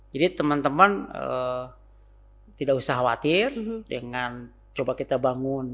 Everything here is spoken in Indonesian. jadi teman teman tidak usah khawatir dengan coba kita bangun si mustang ini